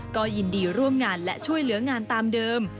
ก็ยินดีร่วมงานและช่วยเหลืองานตามเดิม